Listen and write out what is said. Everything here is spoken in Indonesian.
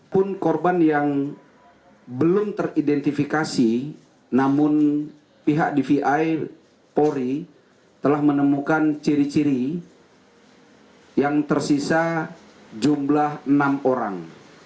pun korban yang belum teridentifikasi namun pihak dvi polri telah menemukan ciri ciri yang tersisa jumlah enam orang